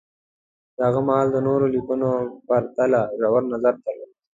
د هغه مهال نورو لیکنو پرتله ژور نظر درلود